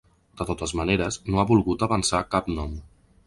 De totes maneres, no ha volgut avançar cap nom.